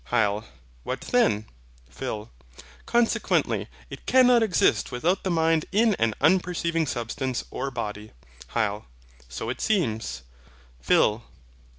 HYL. What then? PHIL. Consequently, it cannot exist without the mind in an unperceiving substance, or body. HYL. So it seems. PHIL.